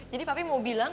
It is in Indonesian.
jadi papi mau bilang